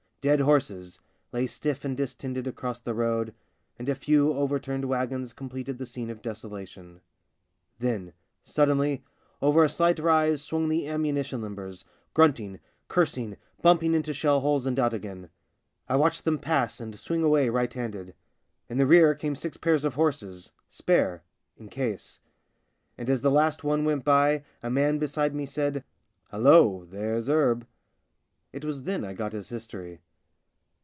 Dead horses lay stiff and distended across the road, and a few overturned wagons completed the scene of desolation. Then, suddenly, over a slight rise swung the ammunition limbers — grunting, cursing, bumping into shell holes and out again. I watched them pass and swing away right handed. In the rear came six pairs of horses, spare — in case. And as the last one went by a man beside me said, " Hullo ! there's Erb." It was then I got his history.